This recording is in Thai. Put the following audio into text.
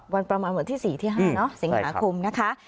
วันประมาณเหมือนที่๔๕สิงหาคมนะคะ